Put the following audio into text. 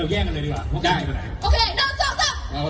นับหนึ่งสี่อย่างน้ำหน้า